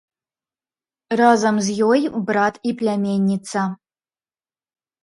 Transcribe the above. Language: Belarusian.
Разам з ёй брат і пляменніца.